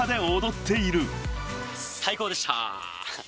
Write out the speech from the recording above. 最高でした！